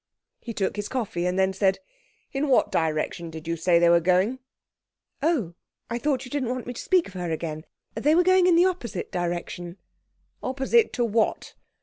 He took his coffee and then said 'In what direction did you say they were going?' 'Oh, I thought you didn't want me to speak of her again. They were going in the opposite direction.' 'Opposite to what?